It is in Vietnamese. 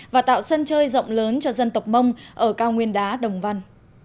và tạo sân chơi rộng lớn cho dân tộc mông ở cao nguyên đá đồng văn